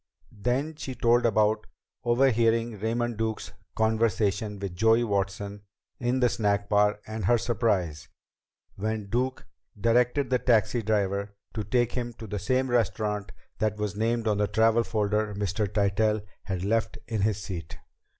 Then she told about overhearing Raymond Duke's conversation with Joey Watson in the snack bar and her surprise when Duke directed the taxi driver to take him to the same restaurant that was named on the travel folder Mr. Tytell had left in his seat.